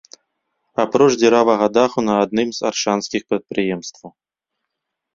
Апроч дзіравага даху на адным з аршанскіх прадпрыемстваў.